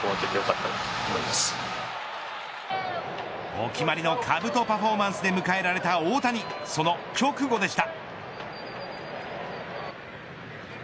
お決まりのかぶとパフォーマンスで迎えられた大谷その直後でした。